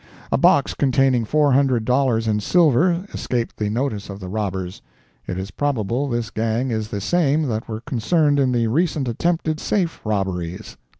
A box containing four hundred dollars in silver escaped the notice of the robbers. It is probable this gang is the same that were concerned in the recent attempted safe robberies.